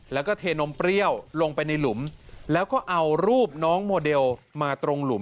แล้วก็เทนมเปรี้ยวลงไปในหลุมแล้วก็เอารูปน้องโมเดลมาตรงหลุม